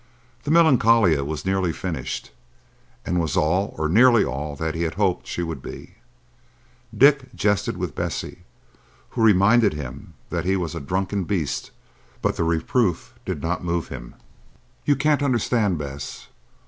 The Melancolia was nearly finished, and was all or nearly all that he had hoped she would be. Dick jested with Bessie, who reminded him that he was "a drunken beast'; but the reproof did not move him. "You can't understand, Bess.